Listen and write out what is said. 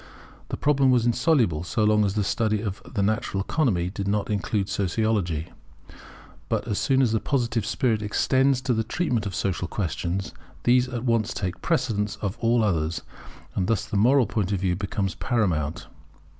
The problem was insoluble, so long as the study of the natural economy did not include Sociology. But as soon as the Positive spirit extends to the treatment of social questions, these at once take precedence of all others, and thus the moral point of view becomes paramount.